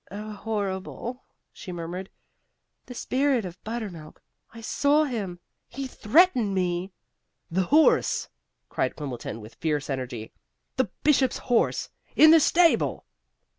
"O horrible," she murmured. "The spirit of buttermilk I saw him he threatened me " "The horse!" cried Quimbleton, with fierce energy. "The Bishop's horse in the stable!"